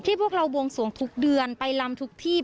พวกเราบวงสวงทุกเดือนไปลำทุกที่